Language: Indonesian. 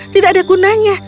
tidak ada gunanya